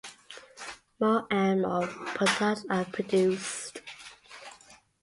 More and more products are produced.